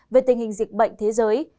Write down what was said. về tình hình dịch bệnh thế giới